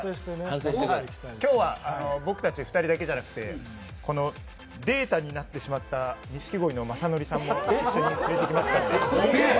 今日は僕たち２人だけじゃなくてデータになってしまった錦鯉の雅紀さんもいるんで。